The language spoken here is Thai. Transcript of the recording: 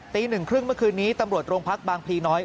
ตี๑๓๐เมื่อคืนนี้ตำรวจโรงพักบางพลีน้อย